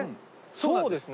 そうですね。